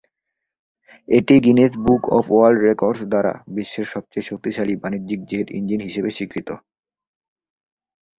এটি Guinness Book of World Records দ্বারা "বিশ্বের সবচেয়ে শক্তিশালী বাণিজ্যিক জেট ইঞ্জিন" হিসাবে স্বীকৃত।